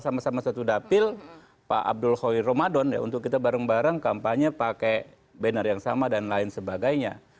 sama sama satu dapil pak abdul khair ramadan ya untuk kita bareng bareng kampanye pakai banner yang sama dan lain sebagainya